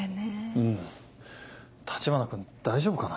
うん橘君大丈夫かな？